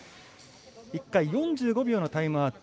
１回４５秒のタイムアウト